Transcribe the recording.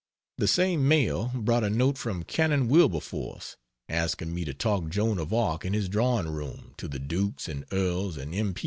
The same mail brought a note from Canon Wilberforce, asking me to talk Joan of Arc in his drawing room to the Dukes and Earls and M.